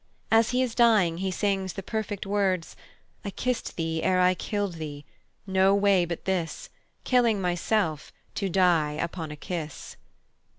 As he is dying he sings the perfect words, "I kissed thee ere I killed thee; no way but this, Killing myself, to die upon a kiss."